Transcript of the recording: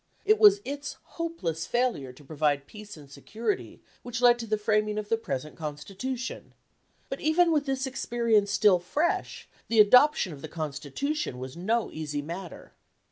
It was its hopeless failure to provide peace and security which led to the framing of the present Constitution. But even with this experience still fresh, the adoption of the Constitution was no easy matter.